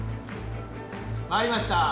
回りました。